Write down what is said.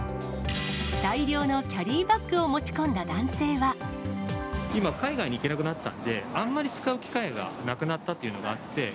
大量のキャリーバッグを持ち今、海外に行けなくなったんで、あんまり使う機会がなくなったというのがあって。